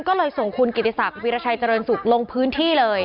ก็เลยส่งคุณกิติศักดิราชัยเจริญสุขลงพื้นที่เลย